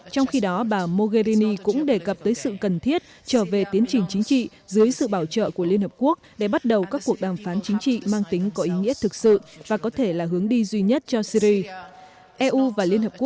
trong khi đó bà mogherini cũng đề cập tới sự cần thiết trở về tiến trình chính trị dưới sự bảo trợ của liên hợp quốc để bắt đầu các cuộc đàm phán chính trị mang tính có ý nghĩa thực sự và có thể là hướng đi duy nhất cho syri